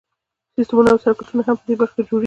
سیسټمونه او سرکټونه هم په دې برخه کې جوړیږي.